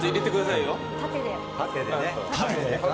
縦で。